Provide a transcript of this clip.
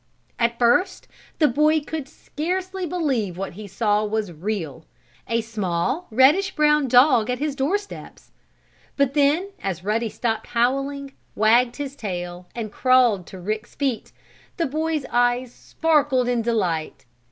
At first the boy could scarcely believe that what he saw was real a small, reddish brown dog at his doorsteps. But then, as Ruddy stopped howling, wagged his tail and crawled to Rick's feet, the boy's eyes sparkled in delight.